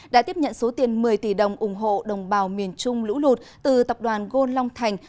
đã tiếp nhận số tiền một mươi tỷ đồng ủng hộ đồng bào miền trung lũ lụt từ tập đoàn gôn long thành